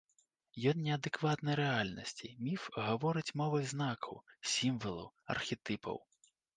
Ён не адэкватны рэальнасці, міф гаворыць мовай знакаў, сімвалаў, архетыпаў.